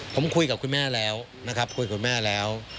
ผมคุยกับคุณแม่แล้วนะครับคุยกับคุณแม่แล้ว